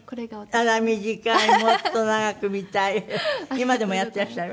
今でもやっていらっしゃる？